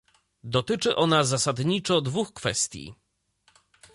Dotyczy ona zasadniczo dwóch kwestii